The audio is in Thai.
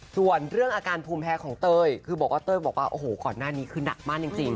ส่วนเรื่องอาการภูมิแพ้ของเต้ยคือบอกว่าเต้ยบอกว่าโอ้โหก่อนหน้านี้คือหนักมากจริง